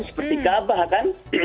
seperti kaabah kan